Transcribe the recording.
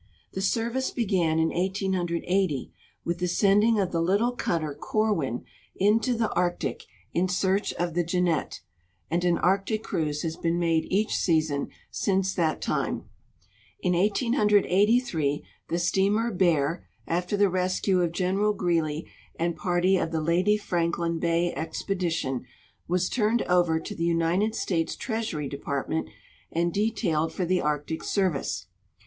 The service began in 1880 with the sending of the little cutter Corwin into the Arctic in search of the Jeannette, and an Arctic cruise has been made each season since that time. In 1883 the steamer Bear, after the rescue of General Greely and party of the Lady Franklin bay expedition, was turned over to the United States Treasury Department and detailed for the Arctic service.